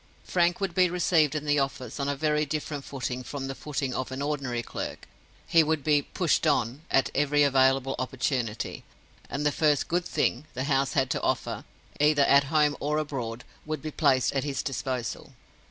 Frank would be received in the office on a very different footing from the footing of an ordinary clerk; he would be "pushed on" at every available opportunity; and the first "good thing" the House had to offer, either at home or abroad, would be placed at his disposal.